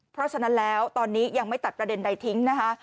เพราะฉะนั้นแล้วตอนนี้ยังไม่ตัดประเด็นใดทิ้งนะคะ